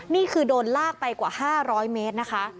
นี่คือโดนลากไปกว่า๕๐๐เมตรนะคะ